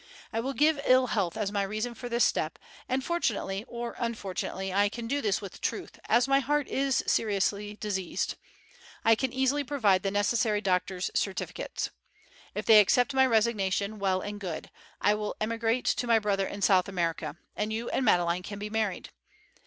I will give ill health as my reason for this step, and fortunately or unfortunately I can do this with truth, as my heart is seriously diseased. I can easily provide the necessary doctor's certificates. If they accept my resignation, well and good—I will emigrate to my brother in South America, and you and Madeleine can be married.